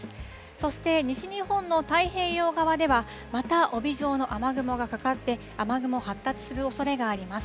そして西日本の太平洋側では、また帯状の雨雲がかかって、雨雲、発達するおそれがあります。